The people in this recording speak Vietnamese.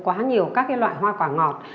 quá nhiều các cái loại hoa quả ngọt